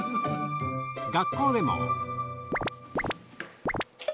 学校でも。